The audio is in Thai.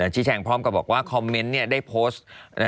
ชี้แจงพร้อมกับบอกว่าคอมเมนต์ได้โพสต์